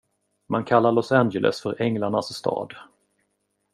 Man kallar Los Angeles för "Änglarnas Stad".